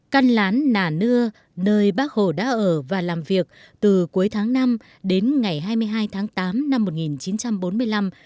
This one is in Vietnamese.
căn lán nà nưa nơi bác hồ đã ở và làm việc từ cuối tháng năm đến ngày hai mươi hai tháng tám năm một nghìn chín trăm bốn mươi năm